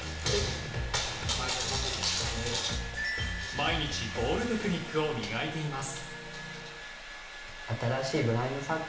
毎日ボールテクニックを磨いています。